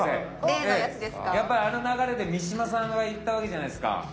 やっぱりあの流れで三島さんがいったわけじゃないですか。